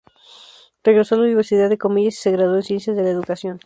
Regresa a la Universidad de Comillas y se graduó en Ciencias de la Educación.